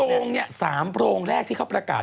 โรงเนี่ย๓โรงแรกที่เขาประกาศ